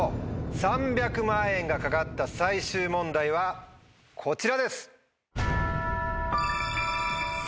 ３００万円が懸かった最終問題はこちらです！